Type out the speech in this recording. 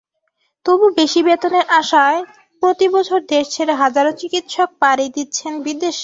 তবু বেশি বেতনের আশায় প্রতিবছর দেশ ছেড়ে হাজারো চিকিত্সক পাড়ি দিচ্ছেন বিদেশে।